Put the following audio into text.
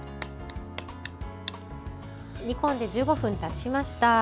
煮込んで１５分たちました。